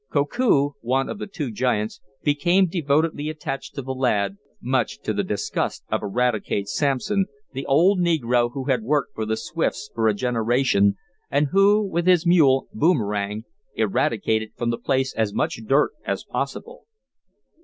Koku, one of the two giants, became devotedly attached to the lad, much to the disgust of Eradicate Sampson, the old negro who had worked for the Swifts for a generation, and who, with his mule Boomerang, "eradicated" from the place as much dirt as possible.